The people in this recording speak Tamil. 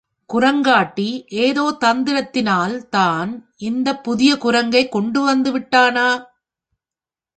குரங்காட்டி எதோ தந்திரத்தினால் தான் இந்தப் புதிய குரங்கைக் கொண்டு வந்து விட்டானா?